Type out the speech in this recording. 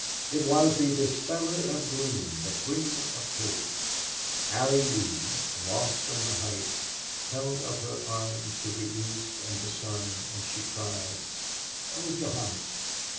It was the dispeller of gloom, the bringer of hope. Allie Lee, lost on the heights, held out her arms to the east and the sun, and she cried: "Oh, God!...